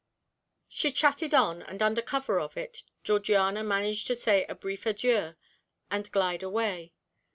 She chatted on, and under cover of it, Georgiana managed to say a brief adieu and glide away.